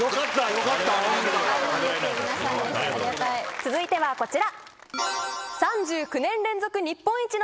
続いてはこちら。